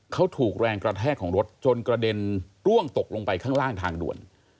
เขาถูกแรงกระแทกของรถจนกระเด็นร่วงตกลงไปข้างล่างทางด่วน